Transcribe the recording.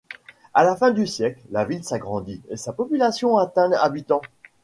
À la fin du siècle, la ville s'agrandit et sa population atteint habitants.